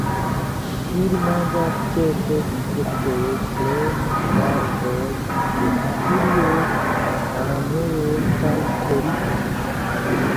Ili manĝas ĉefe insektojn krom larvoj de papilioj, araneoj kaj helikoj.